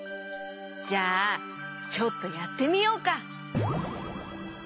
じゃあちょっとやってみようか。